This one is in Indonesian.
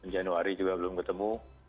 januari juga belum ketemu